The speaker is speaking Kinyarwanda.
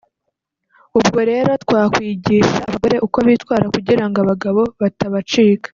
ubwo rero twakwigisha abagore uko bitwara kugira ngo abagabo batabacika